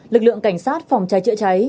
lực lượng cảnh sát phòng cháy chữa cháy